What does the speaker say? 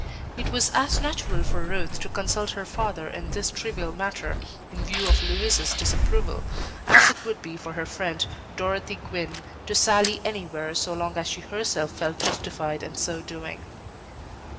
It was as natural for Ruth to consult her father in this trivial matter, in view of Louis's disapproval, as it would be for her friend, Dorothy Gwynne, to sally anywhere so long as she herself felt justified in so doing.